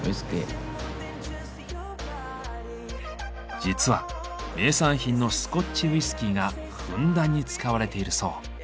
実は名産品のスコッチウイスキーがふんだんに使われているそう。